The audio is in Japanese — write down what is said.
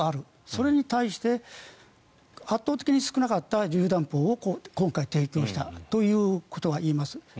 それに対して圧倒的に少なかったりゅう弾砲を今回、提供したということがあります。